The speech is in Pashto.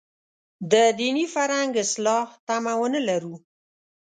د دیني فرهنګ اصلاح تمه ونه لرو.